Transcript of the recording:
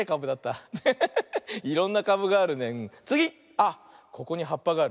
あっここにはっぱがある。